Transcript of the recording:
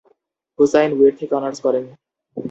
হুসাইন বুয়েট থেকে অনার্স করেন।